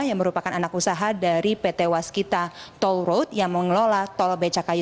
yang merupakan anak usaha dari pt waskita toll road yang mengelola tol becakayu